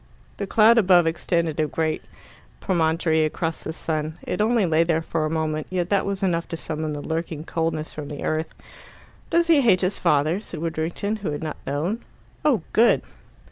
The cloud above extended a great promontory across the sun. It only lay there for a moment, yet that was enough to summon the lurking coldness from the earth. "Does he hate his father?" said Widdrington, who had not known. "Oh, good!"